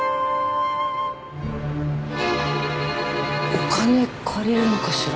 お金借りるのかしら？